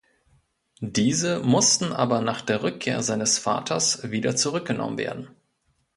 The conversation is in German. Diese mussten aber nach der Rückkehr seines Vaters wieder zurückgenommen werden.